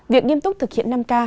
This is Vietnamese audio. việc nghiêm túc thực hiện năm k